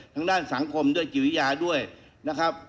ทางด้านสังคมด้วยกิริยาด้วยนะครับ